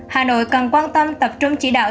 hà nội cần quan tâm tập trung chỉ đạo